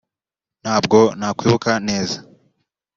Ntabwo nakwibuka neza